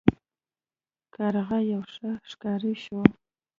کارغه یو ښه ښکاري شو.